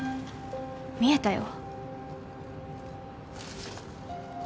見えたよ